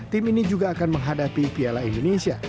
tim ini juga akan menghadapi piala indonesia